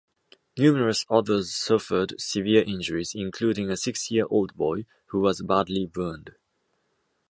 Numerous others suffered severe injuries, including a six-year-old boy, who was badly burned.